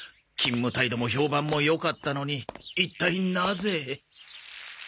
勤務態度も評判も良かったのに一体なぜ？